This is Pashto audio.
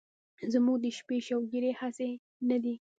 زمونږ د شپې شوګيرې هسې نه دي